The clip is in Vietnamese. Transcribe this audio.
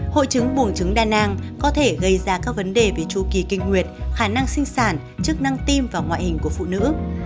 hội chứng buồn trứng đa năng có thể gây ra các vấn đề về chu kỳ kinh nguyệt khả năng sinh sản chức năng tim và ngoại hình của phụ nữ